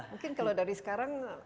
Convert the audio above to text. mungkin kalau dari sekarang